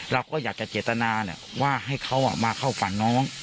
เราก็อยากจะเจตนาว่าให้เขามาเข้าฝันน้อง